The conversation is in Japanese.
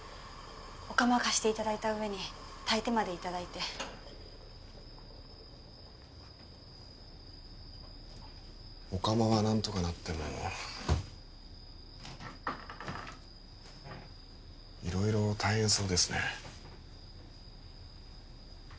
お釜を貸していただいた上に炊いてまでいただいてお釜は何とかなっても色々大変そうですね